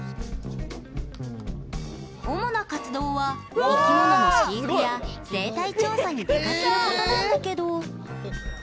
主な活動は、生き物の飼育や生態調査に出かけることなんだけど。